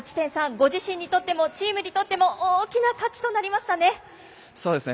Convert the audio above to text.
ご自身にとってもチームにとって大きな勝ちとなりましたね。